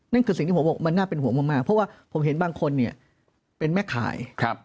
นั่นคือสิ่งที่ผมบอกมันน่าเป็นห่วงมากเพราะว่าผมเห็นบางคนเนี่ยเป็นแม่ขาย